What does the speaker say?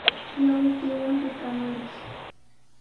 Ñawiykiwan rikaamanki